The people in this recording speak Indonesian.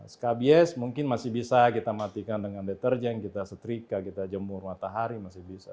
skabies mungkin masih bisa kita matikan dengan deterjen kita setrika kita jemur matahari masih bisa